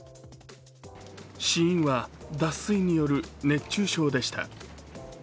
死因は脱水による熱中症でした。